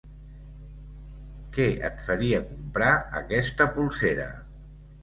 Què et faria comprar aquesta polsera.